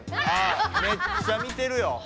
めっちゃ見てるよ。